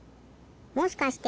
もしかして。